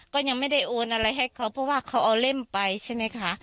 ก็ยังไม่ได้โอนอะไรให้เขาเพราะว่าเขาเอาเล่มไปใช่ไหมคะ